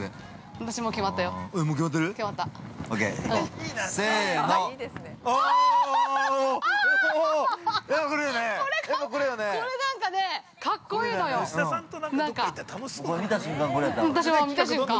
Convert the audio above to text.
◆私も見た瞬間。